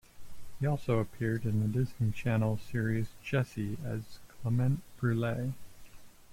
He also appeared in the Disney Channel's series "Jessie" as "Clement Brulee".